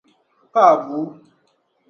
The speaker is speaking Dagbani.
Ka Abu?